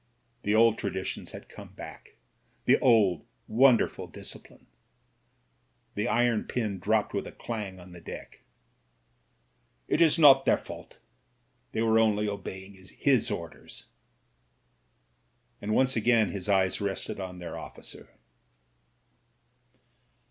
The old traditions had come back : the old wonderful discipline. The iron pin dropped with a clang on the deck. "It is not their fault, they were only obeying his orders.*' And once again his eyes rested on their dficer.